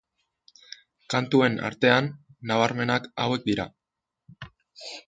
Kantuen artean, nabarmenak hauek dira.